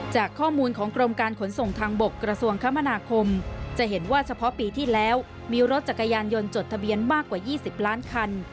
จากข้อมูลของกรมการขนส่งทางบกกระทรวงคมนาคมจะเห็นว่าเฉพาะปีที่แล้วมีรถจักรยานยนต์จดทะเบียนมากกว่า๒๐ล้านคัน